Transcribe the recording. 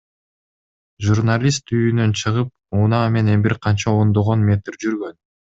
Журналист үйүнөн чыгып, унаа менен бир канча ондогон метр жүргөн.